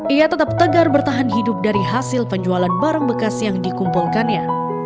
ia tetap tegar bertahan hidup dari hasil penjualan barang bekas yang dikumpulkannya